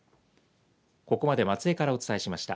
ここまで松江からお伝えしました。